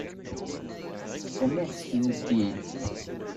Teṭṭfem-aɣ-tent-id.